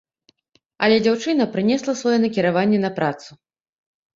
Але дзяўчына прынесла сваё накіраванне на працу.